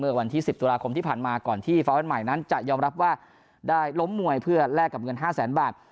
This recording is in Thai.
วันที่๑๐ตุลาคมที่ผ่านมาก่อนที่ฟ้าวันใหม่นั้นจะยอมรับว่าได้ล้มมวยเพื่อแลกกับเงิน๕แสนบาท